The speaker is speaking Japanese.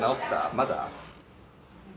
まだ？